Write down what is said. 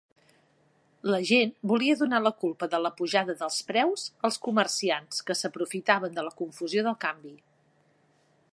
La gent volia donar la culpa de la pujada dels preus als comerciants que s'aprofitaven de la confusió del canvi.